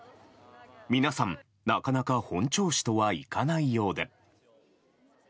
皆さん、なかなか本調子とはいかないようで。